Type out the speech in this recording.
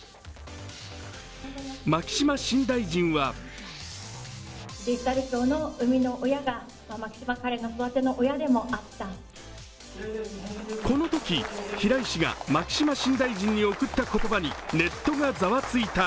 牧島新大臣はこのとき、平井氏が牧島新大臣に贈った言葉にＳＮＳがざわついた。